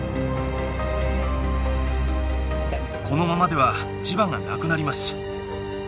このままでは磁場がなくなります。